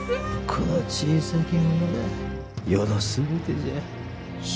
この小さき者が余の全てじゃ。